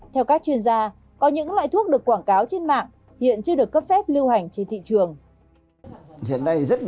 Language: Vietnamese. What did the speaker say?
theo các chuyên gia có những loại thuốc được quảng cáo trên mạng hiện chưa được cấp phép lưu hành trên thị trường